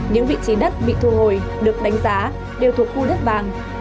những vị trí đất bị thu hồi được đánh giá đều thuộc khu đất vàng